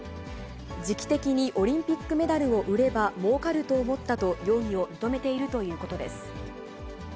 時期的にオリンピックメダルを売ればもうかると思ったと容疑を認めているということです。